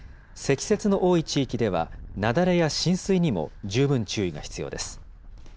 積雪の多い地域では、雪崩や浸水にも十分注意が必要です。